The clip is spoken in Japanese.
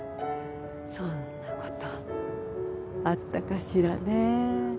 そんな事あったかしらね。